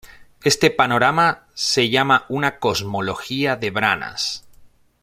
Este panorama se llama una Cosmología de branas.